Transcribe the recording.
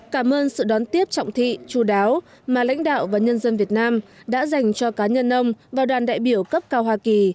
cảm ơn sự đón tiếp trọng thị chú đáo mà lãnh đạo và nhân dân việt nam đã dành cho cá nhân ông và đoàn đại biểu cấp cao hoa kỳ